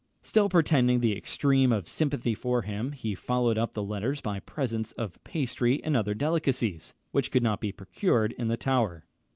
Still pretending the extreme of sympathy for him, he followed up the letters by presents of pastry and other delicacies, which could not be procured in the Tower.